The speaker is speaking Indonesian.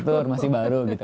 betul masih baru gitu